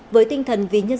với tinh thần ví nhân dân